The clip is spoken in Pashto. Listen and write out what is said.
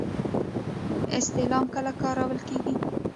استعلام کله کارول کیږي؟